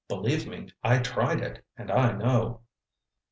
Believe me, I tried it, and I know."